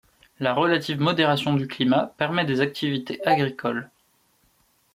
La relative modération du climat permet des activités agricoles.